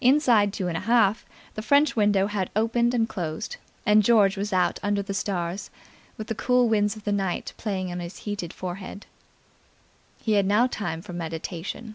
Inside two and half, the french window had opened and closed, and George was out under the stars, with the cool winds of the night playing on his heated forehead. He had now time for meditation.